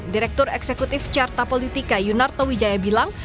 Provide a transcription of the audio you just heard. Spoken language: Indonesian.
direktur eksekutif carta politika yunarto wijaya bilang